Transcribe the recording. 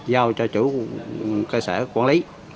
giao cho chủ cơ sở quản lý